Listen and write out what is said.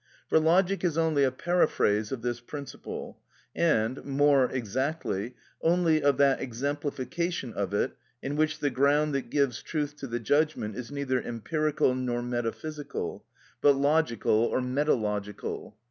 For logic is only a paraphrase of this principle, and, more exactly, only of that exemplification of it in which the ground that gives truth to the judgment is neither empirical nor metaphysical, but logical or metalogical.